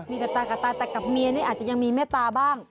มีแต่ตากับตาแต่กับเมียนี่อาจจะยังมีเมตตาบ้าง